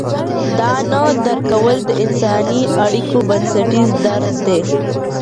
دا نه درک کول د انساني اړیکو بنسټیز درد دی.